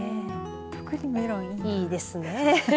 特にメロンいいですよね。